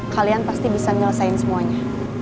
kalian pasti bisa ngelesain semuanya